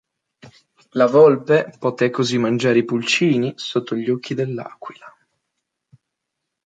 La volpe poté così mangiare i pulcini sotto gli occhi dell'aquila.